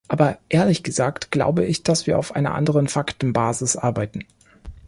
Aber, ehrlich gesagt, glaube ich, dass wir auf einer anderen Faktenbasis arbeiten.